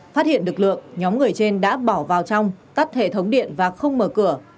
phát hiện lực lượng nhóm người trên đã bỏ vào trong tắt hệ thống điện và không mở cửa